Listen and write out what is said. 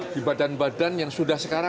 di badan badan yang sudah sekarang